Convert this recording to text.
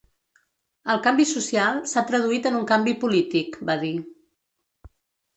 El canvi social s’ha traduït en un canvi polític, va dir.